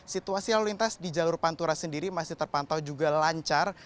situasi lalu lintas di jalur pantura sendiri masih terpantau juga lancar